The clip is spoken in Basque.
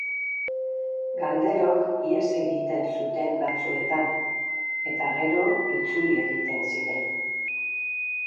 Galderok ihes egiten zuten batzuetan, eta gero itzuli egiten ziren.